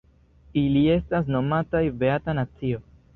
Ili estas nomataj "beata nacio".